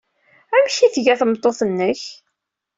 Amek ay tga tmeṭṭut-nnek?